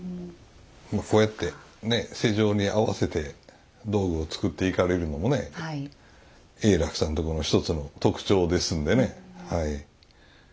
こうやってね世情に合わせて道具を作っていかれるのもね永樂さんとこの一つの特徴ですんでねはい。